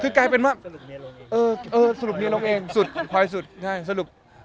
คือกลายเป็นว่าเออสรุปเมียลงเองสุดควายสุดใช่สรุป